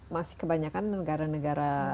masih kebanyakan negara negara